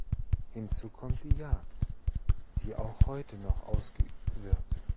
Hinzu kommt die Jagd, die auch heute noch ausgeübt wird.